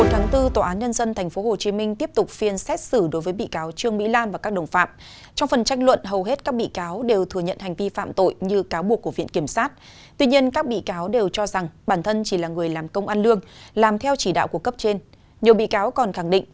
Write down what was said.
hãy đăng ký kênh để ủng hộ kênh của chúng mình nhé